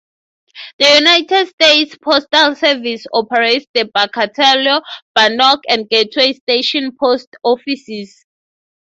The United States Postal Service operates the Pocatello, Bannock, and Gateway Station post offices.